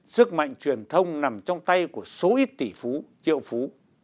sức mạnh truyền thông nằm trong tay của số ít tỷ phú triệu phú